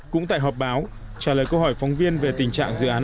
cũng tại họp báo trả lời câu hỏi phóng viên về tình trạng dự án